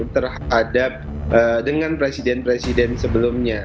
terhadap dengan presiden presiden sebelumnya